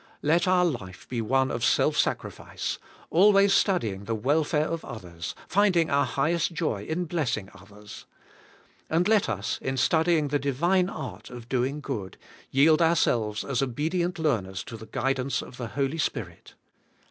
Let our life be one of self sacrifice, always studying the welfare of others, finding our highest joy in blessing others. And let us, in studying the Divine art of doing good, yield ourselves as obedient learners to the guidance of the Holy Spirit.